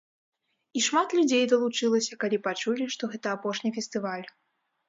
І шмат людзей далучылася, калі пачулі, што гэта апошні фестываль.